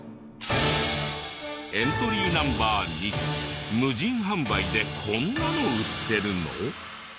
エントリーＮｏ．２無人販売でこんなの売ってるの？